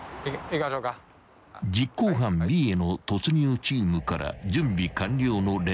［実行犯Ｂへの突入チームから準備完了の連絡］